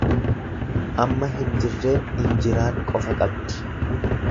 Amma hin jirreen injiraan qofa qabdi.